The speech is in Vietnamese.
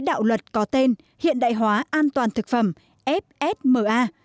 đạo luật có tên hiện đại hóa an toàn thực phẩm fsma